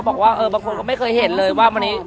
บอกว่าบางคนก็ไม่เคยเห็นเลยว่า